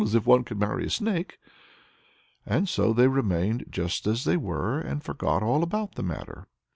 as if one could marry a snake!" And so they remained just as they were, and forgot all about the matter.